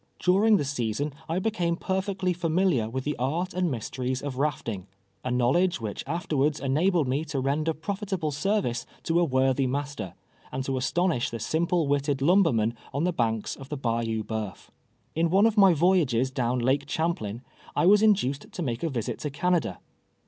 During the season I be came perfectly familiar with the art and mysteries of rafting — a knowledge which afterwards enabled me to render profitable service to a worthy master, and to astonish the simple witted lumbermen on the banks of the Bayou Boeuf. In one of my voyages down Lake Champlain, I was induced to make a visit to Canada.